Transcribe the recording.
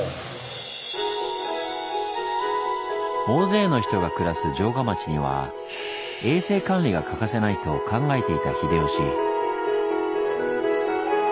大勢の人が暮らす城下町には衛生管理が欠かせないと考えていた秀吉。